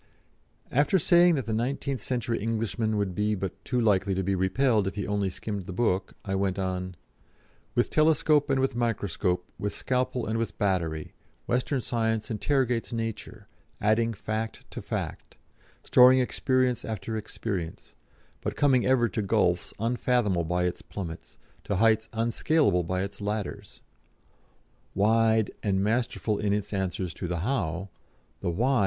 After saying that the nineteenth century Englishman would be but too likely to be repelled if he only skimmed the book, I went on: "With telescope and with microscope, with scalpel and with battery, Western Science interrogates nature, adding fact to fact, storing experience after experience, but coming ever to gulfs unfathomable by its plummets, to heights unscalable by its ladders. Wide and masterful in its answers to the 'How?' the 'Why?'